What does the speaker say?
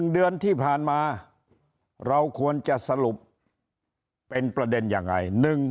๑เดือนที่ผ่านมาเราควรจะสรุปเป็นประเด็นยังไง